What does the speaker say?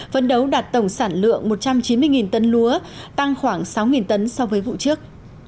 phấn đấu đạt tổng sản lượng một trăm chín mươi tấn lúa tăng khoảng sáu tấn so với vụ trước